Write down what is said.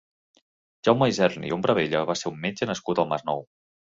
Jaume Isern i Hombravella va ser un metge nascut al Masnou.